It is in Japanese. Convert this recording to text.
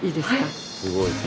すごい。